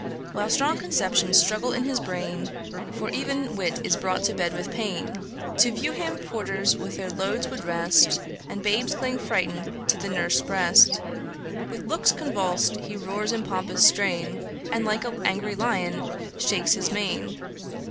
While strong conceptions struggle in his brain; (For even wit is brought to bed with pain:) To view him, porters with their loads would rest, And babes cling frighted to the nurse's breast. With looks convuls'd he roars in pompous strain, And, like an angry lion, shakes his mane.